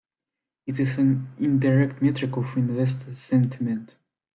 It is an indirect metric of investor sentiment.